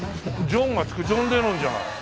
ジョンがつくジョン・レノンじゃない。